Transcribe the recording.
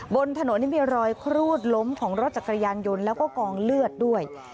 บนถนนนี่มีรอยครูดล้มของรถจักรยานยนต์แล้วก็กองเลือดด้วย